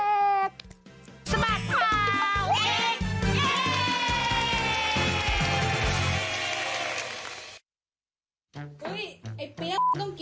สมัสขาวเด็ก